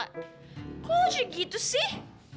kok aja gitu sih